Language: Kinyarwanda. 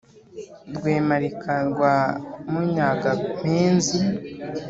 rwemarika rwa munyagampenzi